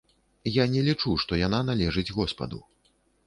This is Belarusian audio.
Я не лічу, што яна належыць госпаду.